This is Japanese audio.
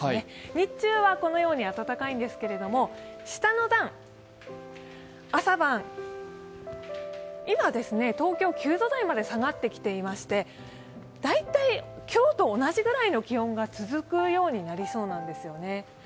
日中はこのように暖かいんですけど、下の段、朝晩、今東京９度台まで下がってきていまして大体今日と同じぐらいの気温が続くようなんです。